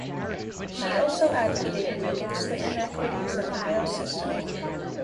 She also advocated against the inequities of the bail system.